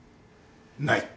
ない。